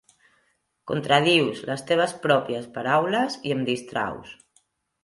Contradius les teves pròpies paraules, i em distraus!